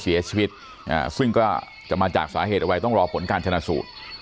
เสียชีวิตซึ่งก็จะมาจากสาเหตุอะไรต้องรอผลการชนะสูตร